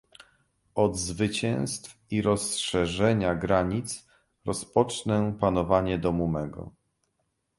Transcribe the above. "Od zwycięstw i rozszerzenia granic rozpocznę panowanie domu mego."